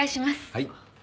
はい。